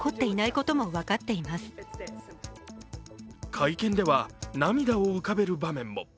会見では涙を浮かべる場面も。